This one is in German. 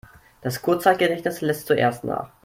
Das Kurzzeitgedächtnis lässt zuerst nach.